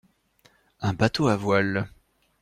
Un bateau à voile.